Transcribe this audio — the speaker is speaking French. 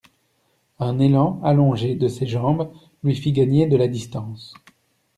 Un élan allongé de ses jambes lui fit gagner de la distance.